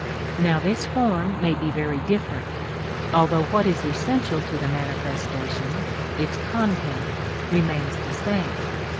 Now this form may be very different, although what is essential to the manifestation, its content, remains the same.